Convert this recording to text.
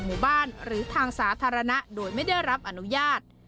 หมู่บ้านหรือทางสาธารณะโดยไม่ได้รับอนุญาต